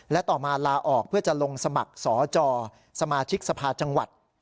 และต่อมาลาออกเพื่อจะลงสมัครสจสมาชิกสภาจังหวัด